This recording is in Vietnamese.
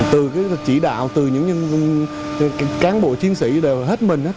từ cái chỉ đạo từ những cán bộ chiến sĩ đều hết mình